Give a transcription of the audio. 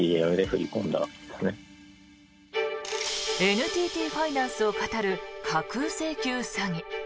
ＮＴＴファイナンスをかたる架空請求詐欺。